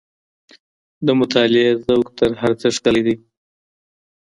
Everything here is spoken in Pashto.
د مطالعې ذوق تر هر څه ښکلی دی.